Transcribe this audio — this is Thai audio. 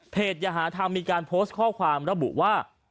อย่าหาธรรมมีการโพสต์ข้อความระบุว่า